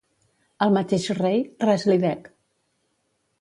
Al mateix rei, res li dec.